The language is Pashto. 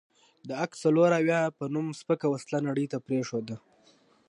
د اک څلوراویا په نوم سپکه وسله نړۍ ته پرېښوده.